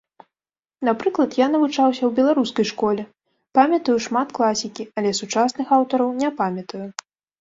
Напрыклад, я навучаўся ў беларускай школе, памятаю шмат класікі, але сучасных аўтараў не памятаю.